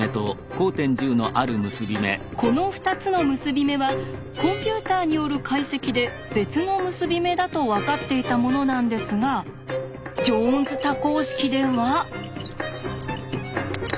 この２つの結び目はコンピューターによる解析で別の結び目だと分かっていたものなんですがジョーンズ多項式では。